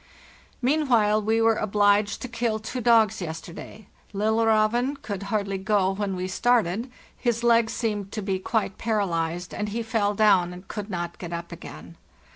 Meanwhile we were obliged to kill two dogs yesterday. ' Lilleraven' could hardly go when we started; his legs seemed to be quite paralyzed, and he fell down and could not get up again.